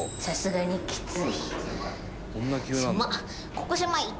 ここ狭い。